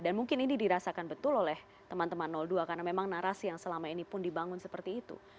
dan mungkin ini dirasakan betul oleh teman teman dua karena memang narasi yang selama ini pun dibangun seperti itu